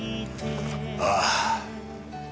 ああ。